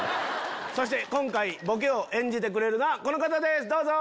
今回ボケを演じてくれるのはこの方ですどうぞ！